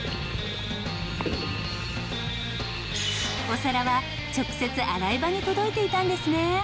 お皿は直接洗い場に届いていたんですね。